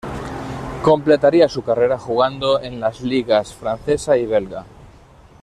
Completaría su carrera jugando en las ligas francesa y belga.